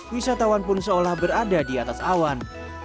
wisatawan pun seolah berada di atas awan